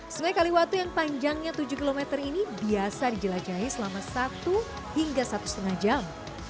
sungai kaliwatu yang panjangnya tujuh km ini biasa dijelajahi selama satu hingga satu lima jam